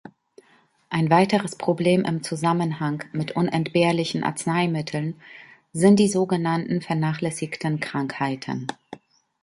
Ein weiteres Problem im Zusammenhang mit unentbehrlichen Arzneimitteln sind die sogenannten vernachlässigten Krankheiten.